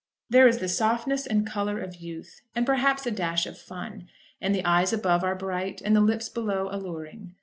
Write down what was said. There is the softness and colour of youth, and perhaps a dash of fun, and the eyes above are bright, and the lips below alluring.